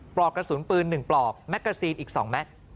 ปลอกกระสุนปืน๑ปลอกแมกกาซีนอีก๒แม็กซ์